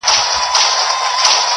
یا دي زما له کوره ټول سامان دی وړی -